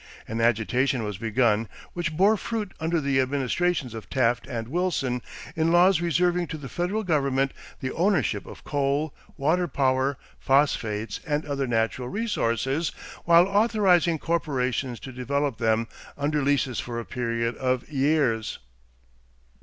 An agitation was begun which bore fruit under the administrations of Taft and Wilson in laws reserving to the federal government the ownership of coal, water power, phosphates, and other natural resources while authorizing corporations to develop them under leases for a period of years.